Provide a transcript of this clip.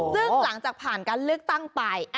ซึ่งหลังจากผ่านการเลือกตั้งไป